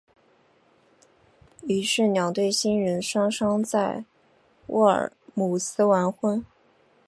于是两对新人双双在沃尔姆斯完婚。